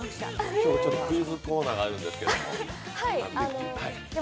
今日はクイズコーナーがあるんですけども？